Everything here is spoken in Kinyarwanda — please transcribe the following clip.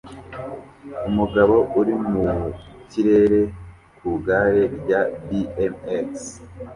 Umugabo uri mu kirere ku igare rya BMX